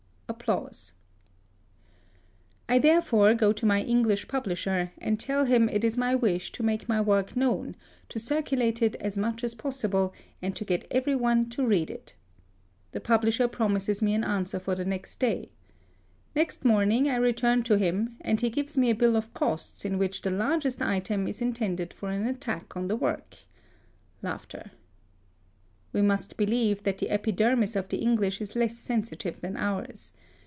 I therefore go to my English publisher, and tell him it is my wish to make my work known, to circulate it as much as possible, and to get every one to read it. THE SUEZ CANAL. 33 The publisher promises me an answer for the next day. Next morning I return to him, and he gives me a bill of costs, in which the largest item is intended for an attack on the work. We must believe that the epidermis of the English is less sensitive than ours.